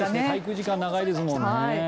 対空時間長いですもんね。